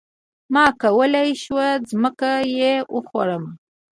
ما کولی شو ځمکه يې وخورمه.